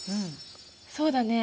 そうだね。